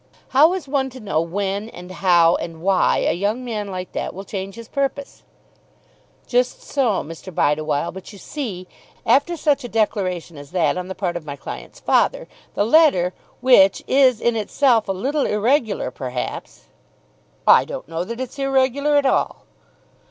"How is one to know when and how and why a young man like that will change his purpose?" "Just so, Mr. Bideawhile. But you see after such a declaration as that on the part of my client's father, the letter, which is in itself a little irregular perhaps " "I don't know that it's irregular at all."